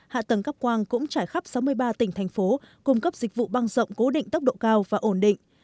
hạ tầng cắp quang cũng trải khắp sáu mươi ba tỉnh thành phố cung cấp dịch vụ băng rộng cố định tốc độ cao và ổn định